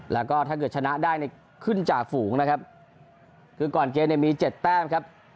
และถ้าเกิดชนะได้ในครึ่งจากฝูงก้อนเกมนี้มิวมี๗แป้มครับ